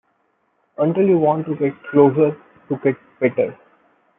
Until you want to get 'closer', to get 'better'.